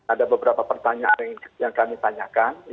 ada beberapa pertanyaan yang kami tanyakan